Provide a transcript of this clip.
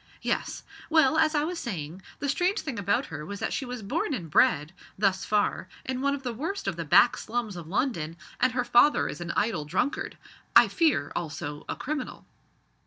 Yes. Well, as I was saying, the strange thing about her was that she was born and bred thus far in one of the worst of the back slums of London, and her father is an idle drunkard. I fear, also, a criminal."